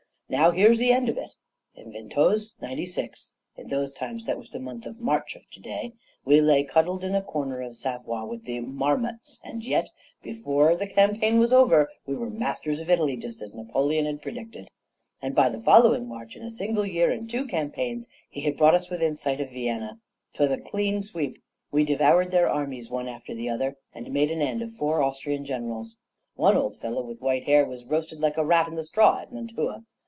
Now here's the end of it. In Ventose, '96 in those times that was the month of March of to day we lay cuddled in a corner of Savoie with the marmots; and yet, before that campaign was over, we were masters of Italy, just as Napoleon had predicted; and by the following March in a single year and two campaigns he had brought us within sight of Vienna. 'Twas a clean sweep. We devoured their armies, one after the other, and made an end of four Austrian generals. One old fellow, with white hair, was roasted like a rat in the straw at Mantua.